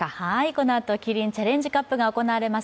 このあとキリンチャレンジカップが行われます